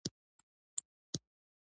تل پر الله تعالی توکل کوه.